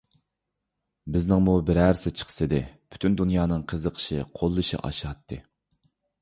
بىزنىڭمۇ بىرەرسى چىقسىدى، پۈتۈن دۇنيانىڭ قىزىقىشى، قوللىشى ئاشاتتى.